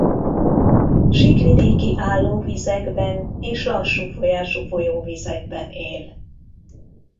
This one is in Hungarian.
Síkvidéki állóvizekben és lassú folyású folyóvizekben él.